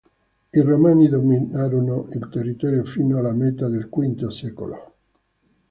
I romani dominarono il territorio fino alla metà del V secolo.